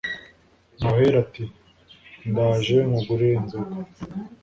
Mahero ati: ndaje nkugurire inzoga